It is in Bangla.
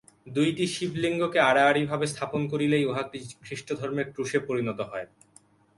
দুইটি শিবলিঙ্গকে আড়াআড়িভাবে স্থাপন করিলেই উহা খ্রীষ্টধর্মের ক্রুশে পরিণত হয়।